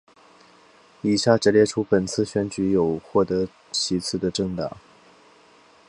以下只列出本次选举有获得席次的政党